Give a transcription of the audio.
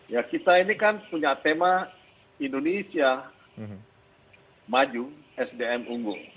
ya kita ini kan punya tema indonesia maju sdm unggul